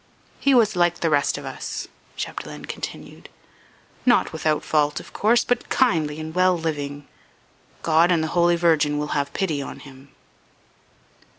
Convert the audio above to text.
"He was like the rest of us," Chapdelaine continued, "not without fault, of course, but kindly and well living. God and the Holy Virgin will have pity on him."